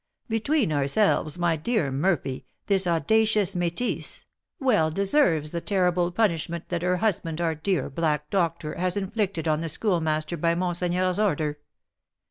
"Between ourselves, my dear Murphy, this audacious métisse well deserves the terrible punishment that her husband, our dear black doctor, has inflicted on the Schoolmaster by monseigneur's order.